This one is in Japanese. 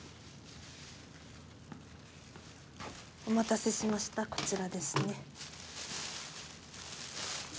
お待たせしましたこちらですね。